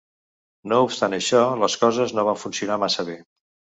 No obstant això, les coses no van funcionar massa bé.